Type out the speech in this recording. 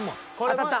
当たった。